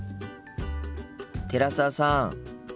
寺澤さん。